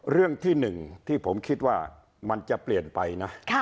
เรื่องที่๑ที่ผมคิดว่ามันจะเปลี่ยนไปนะ